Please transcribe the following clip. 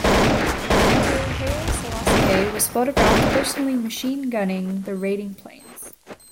Emperor Haile Selassie was photographed personally machine-gunning the raiding planes.